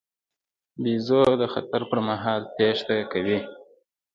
بیزو د خطر پر مهال تېښته کوي.